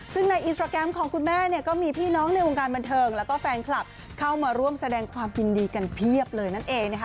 ซึ่งในอินสตราแกรมของคุณแม่เนี่ยก็มีพี่น้องในวงการบันเทิงแล้วก็แฟนคลับเข้ามาร่วมแสดงความยินดีกันเพียบเลยนั่นเองนะคะ